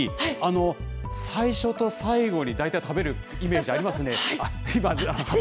確かに、最初と最後に大体食べるイメージありますね。